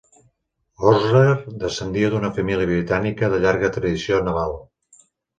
Osler descendia d'una família britànica de llarga tradició naval.